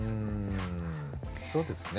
うんそうですね。